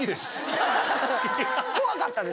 怖かったです